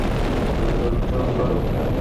আমাকে অনুসরণ কর।